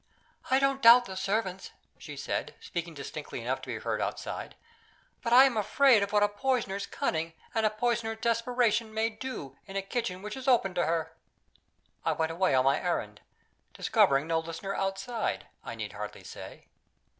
"I don't doubt the servants," she said, speaking distinctly enough to be heard outside; "but I am afraid of what a Poisoner's cunning and a Poisoner's desperation may do, in a kitchen which is open to her." I went away on my errand discovering no listener outside, I need hardly say.